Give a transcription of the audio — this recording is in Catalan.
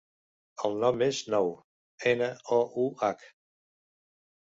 El nom és Nouh: ena, o, u, hac.